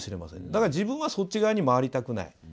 だから自分はそっち側にまわりたくない。